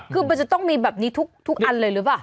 คือมันจะต้องมีแบบนี้ทุกอันเลยหรือเปล่า